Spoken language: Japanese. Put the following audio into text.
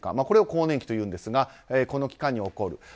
これを更年期というんですがこの期間に起こる。